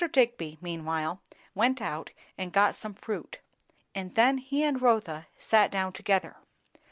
Digby meanwhile went out and got some fruit; and then he and Rotha sat down together.